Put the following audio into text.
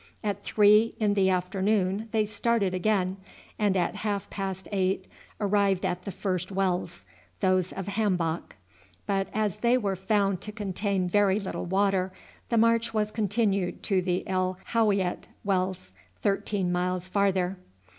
At three in the afternoon they started again, and at half past eight arrived at the first wells, those of Hambok; but as they were found to contain very little water, the march was continued to the El Howeiyat Wells, thirteen miles further.